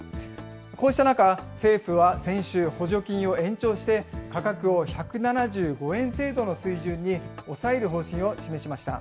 こうした中、政府は先週、補助金を延長して、価格を１７５円程度の水準に抑える方針を示しました。